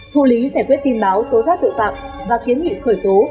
thu lý sẻ tuyết tin báo tố giác tội phạm và kiến nghị khởi tố